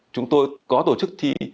chúng tôi có tổ chức thi